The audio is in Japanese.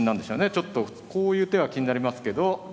ちょっとこういう手は気になりますけど。